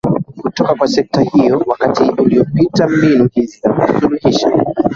kutoka kwa sekta hiyo Wakati uliopita mbinu hizi za kusuluhisha